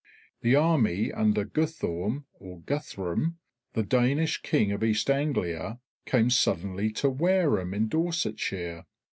The army under Guthorm or Guthrum, the Danish King of East Anglia, came suddenly to Wareham in Dorsetshire.